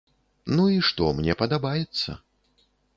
Ну і што, мне падабаецца!